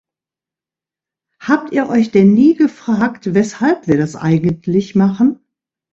Habt ihr euch denn nie gefragt, weshalb wir das eigentlich machen?